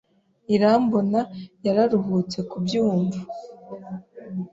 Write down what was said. Irambona yararuhutse kubyumva.